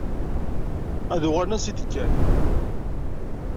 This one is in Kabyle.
Ad uɣalen ansa i d-kkan.